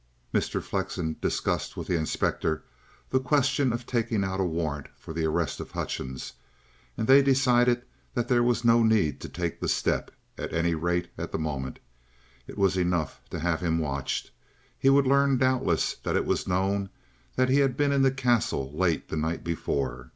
Mr. Flexen discussed with the inspector the question of taking out a warrant for the arrest of Hutchings, and they decided that there was no need to take the step at any rate, at the moment; it was enough to have him watched. He would learn doubtless that it was known that he had been in the Castle late the night before.